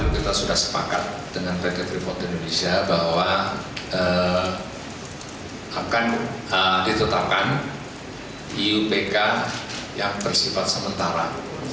kita sudah sepakat dengan pt freeport indonesia bahwa akan ditetapkan iupk yang bersifat sementara